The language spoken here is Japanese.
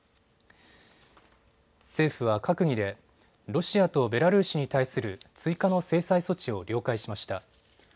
政府は閣議でロシアとベラルーシに対する追加の制裁措置を了解しました。